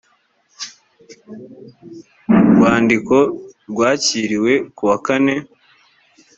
mu rwandiko rwakiriwe kuwa kane